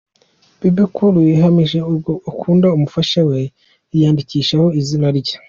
Bebe Cool yahamije urwo akunda umufasha we yiyandikishaho izina rye.